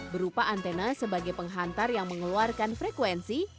berupa antena sebagai penghantar yang mengeluarkan frekuensi